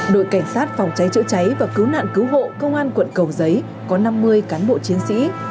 đội cảnh sát phòng cháy chữa cháy và cứu nạn cứu hộ công an quận cầu giấy có năm mươi cán bộ chiến sĩ